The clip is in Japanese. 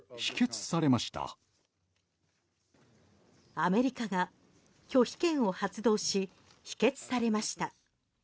アメリカが拒否権を発動し否決されました。